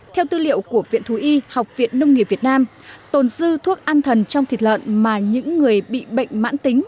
theo tư liệu của viện thú y học viện nông nghiệp việt nam tồn dư thuốc an thần trong thịt lợn mà những người bị bệnh mãn tính